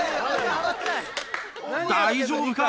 大丈夫か？